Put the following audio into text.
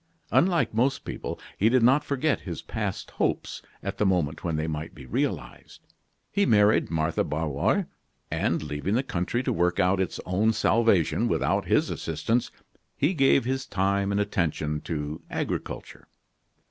Unlike most people, he did not forget his past hopes at the moment when they might be realized. He married Martha Barrois, and, leaving the country to work out its own salvation without his assistance, he gave his time and attention to agriculture.